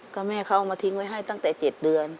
ก็แม่เขาเอามาทิ้งไว้ให้ตั้งแต่๗เดือน